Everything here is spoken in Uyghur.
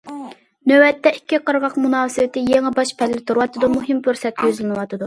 نۆۋەتتە، ئىككى قىرغاق مۇناسىۋىتى يېڭى باش پەللىدە تۇرۇۋاتىدۇ، مۇھىم پۇرسەتكە يۈزلىنىۋاتىدۇ.